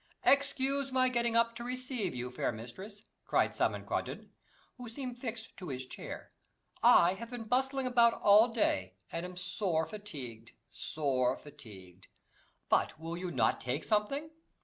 "Excuse my getting up to receive you, fair mistress," cried Simon Quanden, who seemed fixed to his chair; "I have been bustling about all day, and am sore fatigued sore fatigued. But will you not take something?